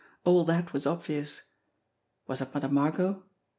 All that was obvious. Was it Mother Margot?